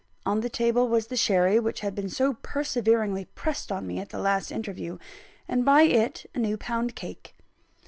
On the table was the sherry which had been so perseveringly pressed on me at the last interview, and by it a new pound cake.